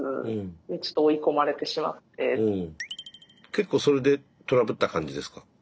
結構それでトラブった感じですか？